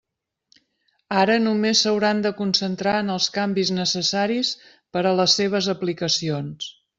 Ara només s'hauran de concentrar en els canvis necessaris per a les seves aplicacions.